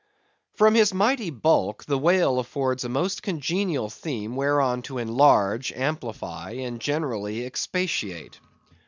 From his mighty bulk the whale affords a most congenial theme whereon to enlarge, amplify, and generally expatiate.